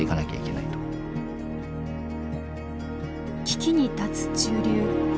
危機に立つ中流。